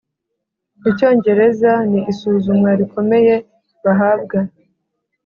icyongereza ni isuzumwa rikomeye bahabwa